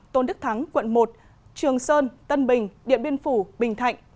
tôn đức thắng quận một trường sơn tân bình điện biên phủ bình thạnh